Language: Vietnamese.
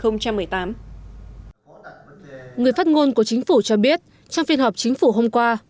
người phát ngôn của chính phủ cho biết trong phiên họp chính phủ hôm qua